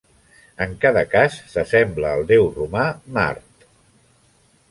En cada cas, s'assembla al déu romà Mart.